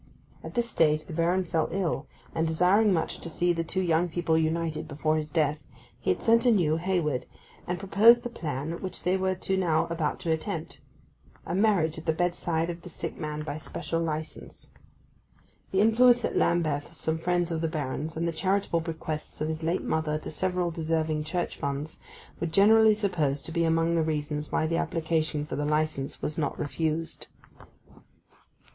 At this stage the Baron fell ill, and, desiring much to see the two young people united before his death, he had sent anew Hayward, and proposed the plan which they were to now about to attempt—a marriage at the bedside of the sick man by special licence. The influence at Lambeth of some friends of the Baron's, and the charitable bequests of his late mother to several deserving Church funds, were generally supposed to be among the reasons why the application for the licence was not refused.